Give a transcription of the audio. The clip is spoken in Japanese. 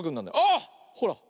あ！ほら。